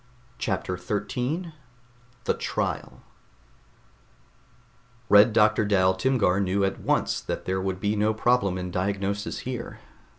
CHAPTER 13 THE TRIAL Red Doctor Dal Timgar knew at once that there would be no problem in diagnosis here.